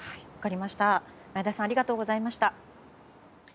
前田さんありがとうございました。